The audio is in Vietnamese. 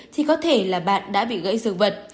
thì có thể là bạn đã bị gãy xương vật